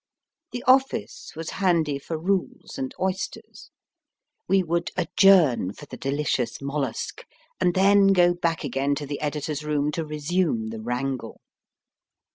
The office was handy for Rule s and oysters. We would ad journ for the delicious mollusc, and then go back again to the editor s room to resume the wrangle.